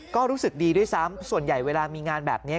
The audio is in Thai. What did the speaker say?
ก็รู้สึกดีด้วยซ้ำส่วนใหญ่เวลามีงานแบบนี้